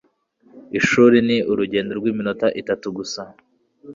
Ishuri ni urugendo rw'iminota itanu gusa.